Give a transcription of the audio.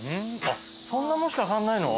そんなもんしか変わんないの？